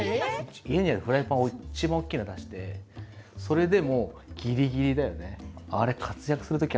家にあるフライパンいちばん大きいの出してそれでも、ぎりぎりだよね。